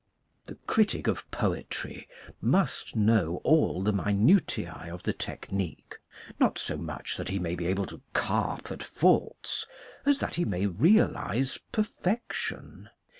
The critic of poetry must know all the minutiae of the technique not so much that he may be able to carp at faults as that he may realize perfection.